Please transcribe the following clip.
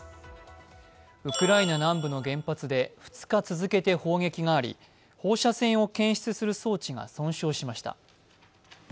ウクライナ南部の原発で２日続けて砲撃があり、放射線を検出する装置が損傷しました。